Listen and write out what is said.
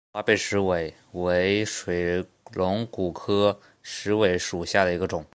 华北石韦为水龙骨科石韦属下的一个种。